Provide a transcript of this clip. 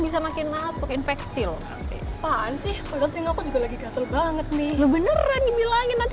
bisa makin masuk infeksi loh apaan sih berarti aku juga lagi gatal banget nih beneran dibilangin